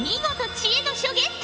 知恵の書だ。